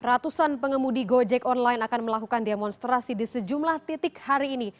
ratusan pengemudi gojek online akan melakukan demonstrasi di sejumlah titik hari ini